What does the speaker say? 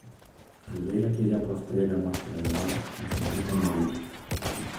al ver aquella postrera muestra de amor me sentí conmovido.